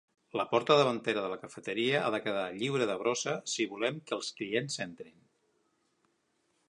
La parta davantera de la cafeteria ha de quedar lliure de brossa si volem que els clients entrin